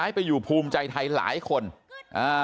ขอบคุณเลยนะฮะคุณแพทองธานิปรบมือขอบคุณเลยนะฮะ